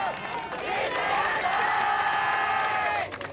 いってらっしゃい！